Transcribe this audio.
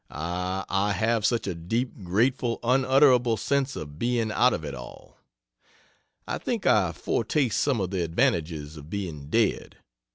Ah, I have such a deep, grateful, unutterable sense of being "out of it all." I think I foretaste some of the advantages of being dead.